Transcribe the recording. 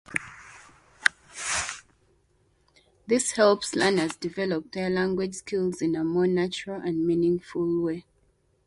This helps learners develop their language skills in a more natural and meaningful way.